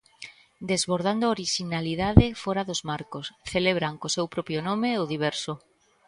Desbordando orixinalidade fóra dos marcos, celebran co seu propio nome o diverso.